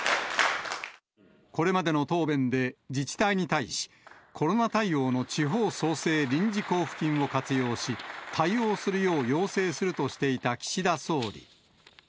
これまでの答弁で自治体に対し、コロナ対応の地方創生臨時交付金を活用し、対応するよう要請するとしていた岸田総理。